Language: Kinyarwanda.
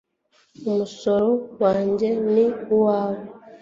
umusoro wanjye n uwawe